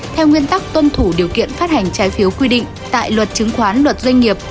theo nguyên tắc tuân thủ điều kiện phát hành trái phiếu quy định tại luật chứng khoán luật doanh nghiệp